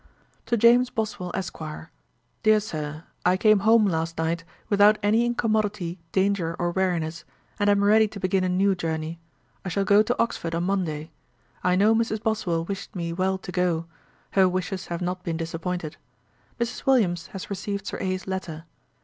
'To JAMES BOSWELL, ESQ. 'DEAR SIR, 'I came home last night, without any incommodity, danger, or weariness, and am ready to begin a new journey. I shall go to Oxford on Monday. I know Mrs. Boswell wished me well to go; her wishes have not been disappointed. Mrs. Williams has received Sir A's letter.